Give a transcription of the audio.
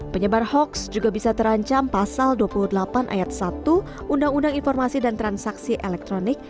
penyebar hoax juga bisa terancam pasal dua puluh delapan ayat satu undang undang informasi dan transaksi elektronik